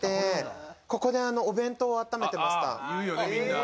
「言うよねみんな」